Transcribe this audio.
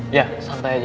iya santai aja